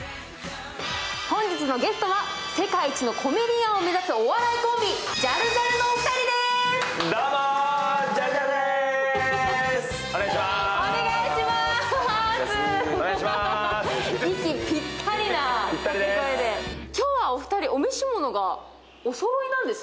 本日のゲストは世界一のコメディアンを目指すお笑いコンビ、ジャルジャルのお二人です。